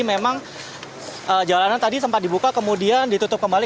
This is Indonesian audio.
memang jalanan tadi sempat dibuka kemudian ditutup kembali